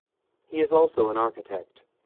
He is also an architect.